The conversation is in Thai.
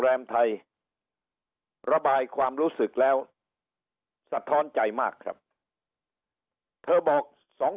แรมไทยระบายความรู้สึกแล้วสะท้อนใจมากครับเธอบอกสอง